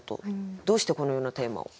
どうしてこのようなテーマを？